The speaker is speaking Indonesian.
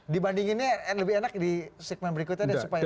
dibandinginnya lebih enak di segmen berikutnya